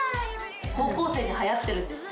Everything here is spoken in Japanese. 高校生ではやってるんですって。